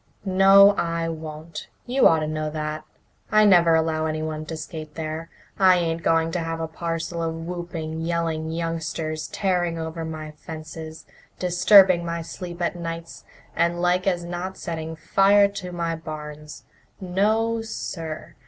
"No, I won't. You ought to know that. I never allow anyone to skate there. I ain't going to have a parcel of whooping, yelling youngsters tearing over my fences, disturbing my sleep at nights, and like as not setting fire to my barns. No, sir!